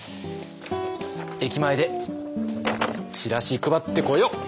駅前でチラシ配ってこよう。